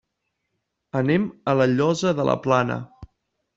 Anem a La Llosa de la Plana.